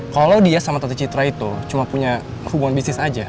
kalau dia sama tante citra itu cuma punya hubungan bisnis aja